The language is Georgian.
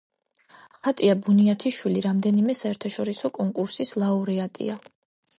ხატია ბუნიათიშვილი რამდენიმე საერთაშორისო კონკურსის ლაურეატია.